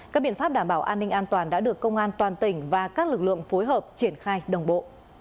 các biện pháp đảm bảo an ninh an toàn đã được công an toàn tỉnh và các lực lượng phối hợp triển khai đồng bộ